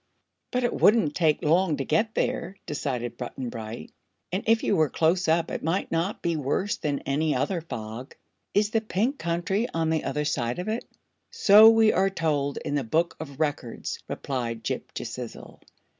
"But it wouldn't take long to get there," decided Button Bright, "and if you were close up it might not be worse than any other fog. Is the Pink Country on the other side of it?" "So we are told in the Book of Records," replied Ghip Ghisizzle.